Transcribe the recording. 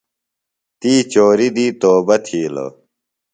تی چوری دی توبہ تِھیلوۡ۔